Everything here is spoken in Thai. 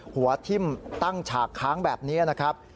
หัวทิ่มตั้งฉากค้างแบบนี้นะครับ